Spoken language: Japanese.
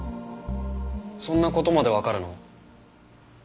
そんな事までわかるの？